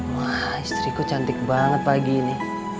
wah istriku cantik banget pagi ini